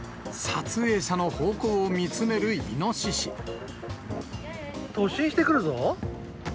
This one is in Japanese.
撮影者の方向を見つめるイノ突進してくるぞ。